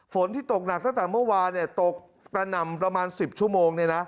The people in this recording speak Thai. ฝนที่ตกหนักตั้งแต่เมื่อวานตกกระหน่ำประมาณ๑๐ชั่วโมง